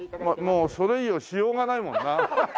もうそれ以上しようがないもんな。